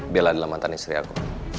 bela adalah mantan istri aku